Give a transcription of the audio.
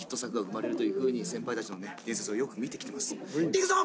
いくぞ！